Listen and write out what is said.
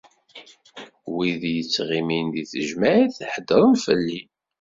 Wid yettɣimin di tejmaɛt, heddren fell-i.